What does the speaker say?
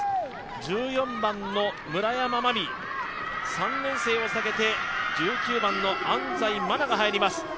１４番の村山茉美、３年生を下げて１９番の安西愛が入ります。